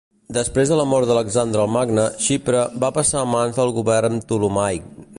Després de la mort d'Alexandre el Magne, Xipre va passar a mans del govern Ptolemaic.